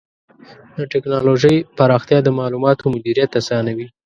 د ټکنالوجۍ پراختیا د معلوماتو مدیریت آسانوي.